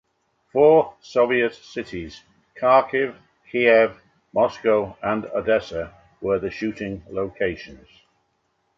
Four Soviet cities - Kharkiv, Kiev, Moscow and Odessa - were the shooting locations.